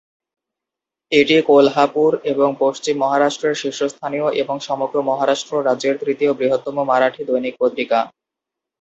এটি কোলহাপুর এবং পশ্চিম মহারাষ্ট্রের শীর্ষস্থানীয় এবং সমগ্র মহারাষ্ট্র রাজ্যের তৃতীয় বৃহত্তম মারাঠি দৈনিক পত্রিকা।